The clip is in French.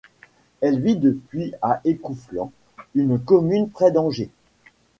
Elle vit depuis à Écouflant, une commune près d'Angers.